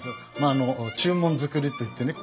あの中門造りといってね。